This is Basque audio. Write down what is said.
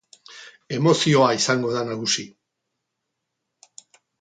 Emozioa izango da nagusi.